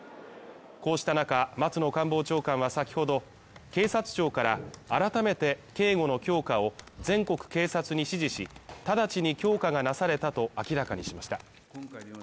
こうした中松野官房長官は先ほど警察庁から改めてＫ警護の強化を全国警察に指示し、直ちに強化がなされたと明らかにしました。